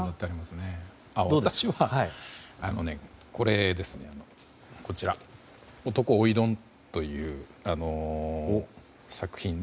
私は、こちら「男おいどん」という作品で。